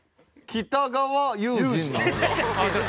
北川悠仁も。